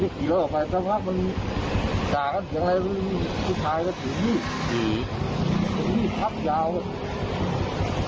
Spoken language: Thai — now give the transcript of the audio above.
ที่ท้ายเป็นปีปีภักด์ยาวเขา